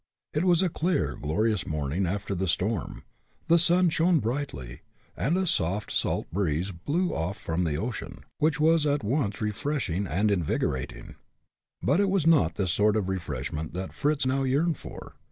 It was a clear, glorious morning after the storm; the sun shone brightly, and a soft salt breeze blew off from the ocean, which was at once refreshing and invigorating. But it was not this sort of refreshment that Fritz now yearned for.